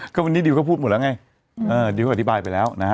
ก็วันนี้ดิวก็พูดหมดแล้วไงดิวก็อธิบายไปแล้วนะฮะ